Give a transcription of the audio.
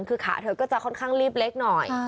คือขาเธอก็จะค่อนข้างรีบเล็กหน่อย